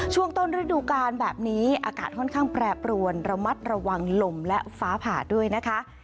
ช่วงต้นฤดูการแบบนี้อากาศค่อนข้างแปรปรวนระมัดระวังลมและฟ้าผ่าด้วยนะคะ